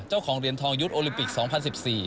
เจ้าของเหรียญทองยุทธ์โอลิมปิก๒๐๑๔